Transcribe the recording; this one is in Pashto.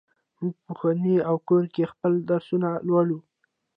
موږ په ښوونځي او کور کې خپل درسونه لولو.